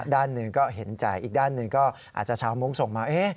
ด้านหนึ่งก็เห็นใจอีกด้านหนึ่งก็อาจจะชาวมุ้งส่งมา